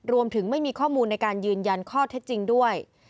รวมถึงไม่มีข้อมูลในการยืนยันข้อเท็จจริงด้วย